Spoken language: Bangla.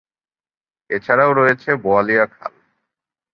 এছাড়াও রয়েছে বোয়ালিয়া খাল।